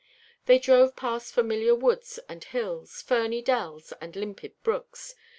They drove past familiar woods and hills, ferny dells, and limpid brooks.